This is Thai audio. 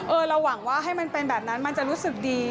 เราหวังว่าให้มันเป็นแบบนั้นมันจะรู้สึกดี